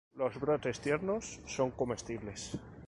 Los brotes tiernos son comestibles.